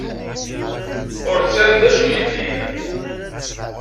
Ur tesεiḍ d acu yellin.